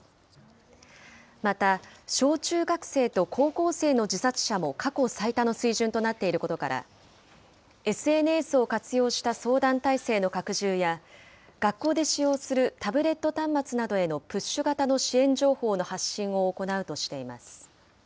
また、小中学生と高校生の自殺者も過去最多の水準となっていることから、ＳＮＳを活用した相談体制の拡充や、学校で使用するタブレット端末などへのプッシュ型の支援情報の発信を行うとしています。